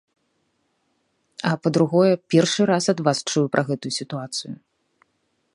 А, па-другое, першы раз ад вас чую пра гэтую сітуацыю.